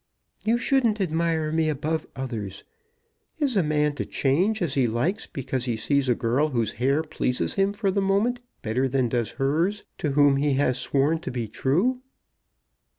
"You shouldn't admire me above others. Is a man to change as he likes because he sees a girl whose hair pleases him for the moment better than does hers to whom he has sworn to be true?"